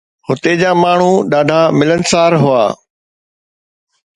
هتي جا ماڻهو ڏاڍا ملنسار هئا.